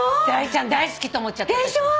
ダイちゃん大好きと思っちゃった。